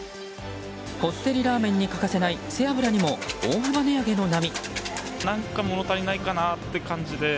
こってりラーメンに欠かせない背脂にも大幅値上げの波。